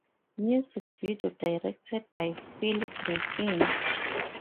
Music video directed by Phil Griffin.